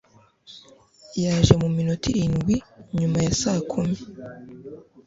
Yaje mu minota irindwi nyuma ya saa kumi.